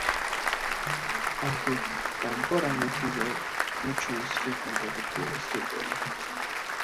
Aunque Cámpora no jugó mucho es recordado por este gol.